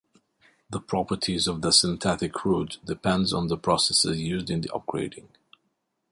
The properties of the synthetic crude depend on the processes used in the upgrading.